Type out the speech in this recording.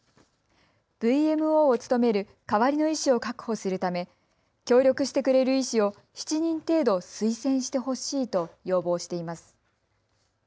ＶＭＯを務める代わりの医師を確保するため協力してくれる医師を７人程度推薦してほしいと要望しています。